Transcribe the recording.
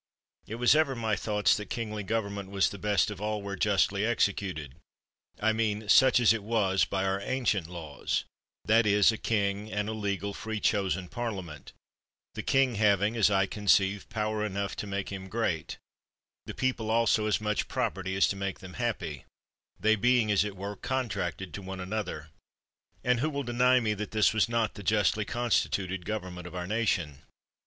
It was ever my thoughts that kingly government was the best of all where justly exe cuted; I mean, such as it was by our ancient laws — that is, a king, and a legal, free chosen Parliament — the king having, as I conceive, power enough to make him great ; the people also as much property as to make them happy; they being, as it were, contracted to one another! And who will deny me that this was not the justly constituted government of our nation?